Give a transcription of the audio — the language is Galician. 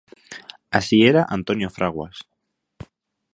Así era Antonio Fraguas.